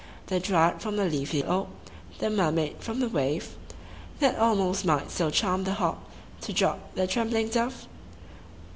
The dryad from the leafy oak, The mermaid from the wave ; That almost might still charm the hawk To drop the trembling dove?